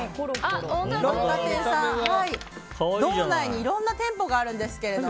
六花亭さん、道内にいろんな店舗があるんですけど。